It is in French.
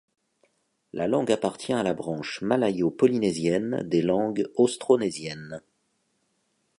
La langue appartient à la branche malayo-polynésienne des langues austronésiennes.